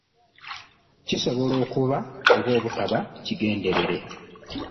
Kisobola okuba oba obutaba kigenderere.